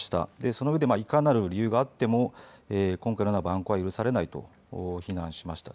その上で、いかなる理由があっても今回のような蛮行は許されないと非難しました。